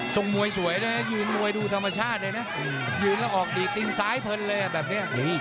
มวยสวยด้วยนะยืนมวยดูธรรมชาติเลยนะยืนแล้วออกดีกตินซ้ายเพลินเลยแบบนี้